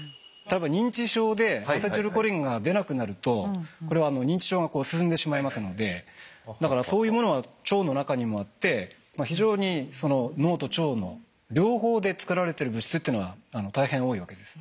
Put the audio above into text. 認知症でアセチルコリンが出なくなるとこれは認知症が進んでしまいますのでだからそういうものは腸の中にもあってまあ非常に脳と腸の両方でつくられてる物質っていうのは大変多いわけです。